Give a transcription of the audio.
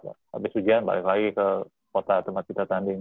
habis ujian balik lagi ke tempat kita tanding